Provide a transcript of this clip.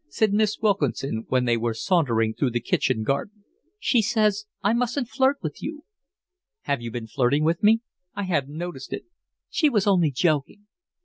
said Miss Wilkinson, when they were sauntering through the kitchen garden. "She says I mustn't flirt with you." "Have you been flirting with me? I hadn't noticed it." "She was only joking."